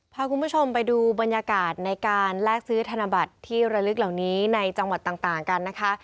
พาคุณผู้ชมไปดูบรรยากาศในการแลกซื้อธนบัตรที่ระลึกเหล่านี้ในจังหวัดต่างกันนะคะ